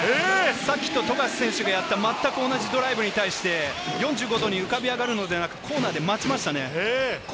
さっき富樫選手がやったドライブとまったく同じドライブで４５度に浮かび上がるのではなく、コーナーで待ちましたね。